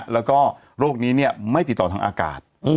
แล้วก็โรคนี้ไม่ติดต่อทางอากาศ